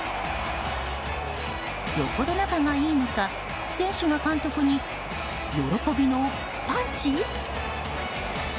よほど仲がいいのか選手が監督に喜びのパンチ？